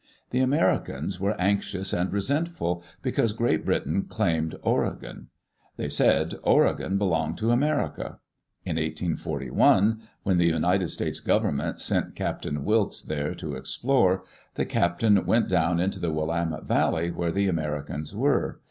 The Americans were anxious and resentful because Great Britain claimed "Oregon." They said "Oregon" belonged to America. In 1841, when the United States Government sent Captain Wilkes there to explore, the captain went down into the Willamette Valley where the Americans were.